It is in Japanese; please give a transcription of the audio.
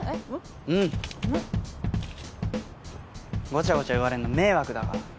ごちゃごちゃ言われんの迷惑だから。